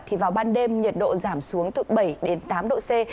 thì vào ban đêm nhiệt độ giảm xuống từ bảy đến tám độ c